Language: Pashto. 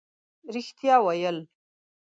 رښتیا ویل